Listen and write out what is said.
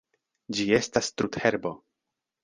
Ĝi estas trudherbo.